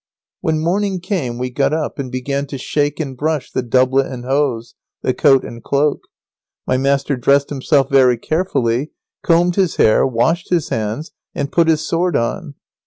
] When morning came we got up and began to shake and brush the doublet and hose, the coat and cloak. My master dressed himself very carefully, combed his hair, washed his hands, and put his sword on.